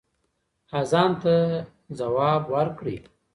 اذان ته ځواب ورکړئ.